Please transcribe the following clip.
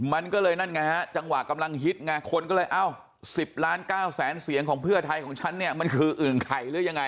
มันก็เลยนั่นไงฮะจังหวะกำลังฮิตไงคนก็เลยเอ้า๑๐ล้าน๙แสนเสียงของเพื่อไทยของฉันเนี่ยมันคืออึ่งไข่หรือยังไง